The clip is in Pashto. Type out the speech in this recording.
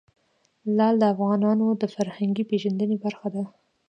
لعل د افغانانو د فرهنګي پیژندنې برخه ده.